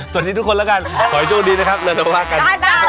ส่วนที่ทุกคนละกันก่อนให้ช่วงดีนะครับเราจะภาคกัน